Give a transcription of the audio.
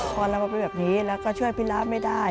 พอเราไปแบบนี้แล้วก็ช่วยพิลาไม่ได้